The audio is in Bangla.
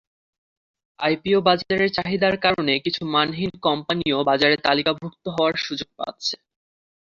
আইপিও বাজারের চাহিদার কারণে কিছু মানহীন কোম্পানিও বাজারে তালিকাভুক্ত হওয়ার সুযোগ পাচ্ছে।